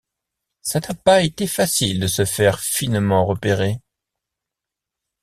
Ça n’a pas été facile de se faire finement repérer.